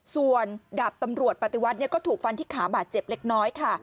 ส่วนดาบตำรวจปฏิวัติก็ถูกฟันที่ขาบาดเจ็บเล็กน้อยค่ะ